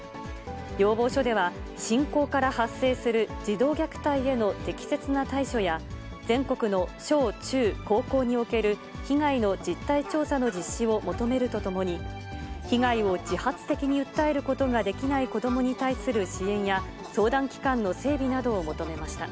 要望書では、信仰から発生する児童虐待への適切な対処や、全国の小中高校における被害の実態調査の実施を求めるとともに、被害を自発的に訴えることができない子どもに対する支援や、相談機関の整備などを求めました。